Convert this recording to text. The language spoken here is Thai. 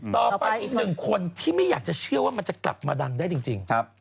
อีกหนึ่งคนที่ไม่อยากจะเชื่อว่ามันจะกลับมาดังได้จริง